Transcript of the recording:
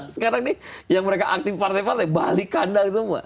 sekarang nih yang mereka aktif partai partai balik kandang semua